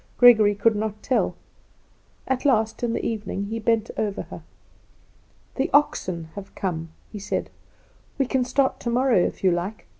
Gregory could not tell. At last in the evening he bent over her. "The oxen have come," he said; "we can start tomorrow if you like.